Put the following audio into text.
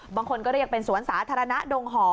บางคนก็เรียกเป็นสวนสาธารณะดงห่อ